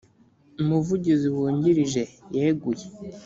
umuvugizi wungirije yeguye